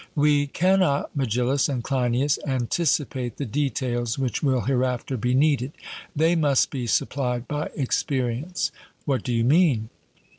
We cannot, Megillus and Cleinias, anticipate the details which will hereafter be needed; they must be supplied by experience. 'What do you mean?'